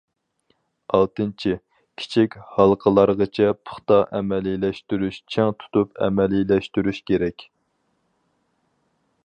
ئالتىنچى، كىچىك ھالقىلارغىچە پۇختا ئەمەلىيلەشتۈرۈش، چىڭ تۇتۇپ ئەمەلىيلەشتۈرۈش كېرەك.